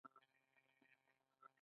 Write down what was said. جوبن معلوم وو چې وييلي يې وو-